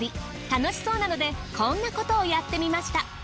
楽しそうなのでこんな事をやってみました。